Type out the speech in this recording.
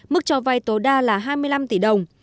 mức cho vay tối đa là hai mươi năm tỷ đồng